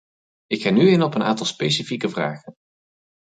Ik ga nu in op een aantal specifieke vragen.